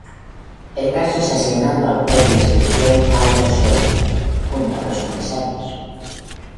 El caso es asignado al juez de instrucción Aldo Sola, junto a dos comisarios.